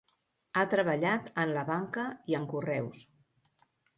Ha treballat en la banca i en Correus.